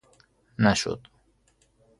نشد!